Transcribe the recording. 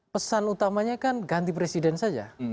pesan utamanya kan ganti presiden saja